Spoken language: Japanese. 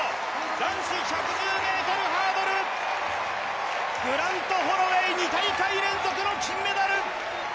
男子１１０ｍハードル、グラント・ホロウェイ２大会連続の金メダル！